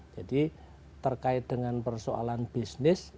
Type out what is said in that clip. jadi terkait dengan persoalan bisnis